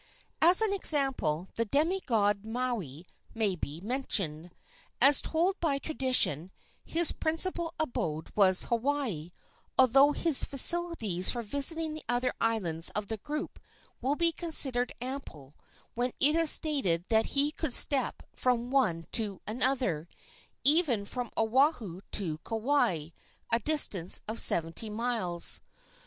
As an example the demi god Maui may be mentioned. As told by tradition, his principal abode was Hawaii, although his facilities for visiting the other islands of the group will be considered ample when it is stated that he could step from one to another, even from Oahu to Kauai, a distance of seventy miles.